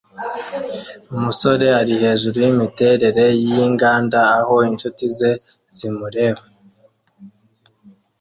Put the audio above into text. Umusore ari hejuru yimiterere yinganda aho inshuti ze zimureba